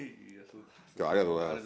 今日はありがとうございます。